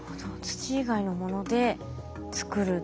土以外のもので作る。